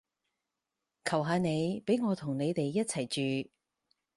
求下你畀我同你哋一齊住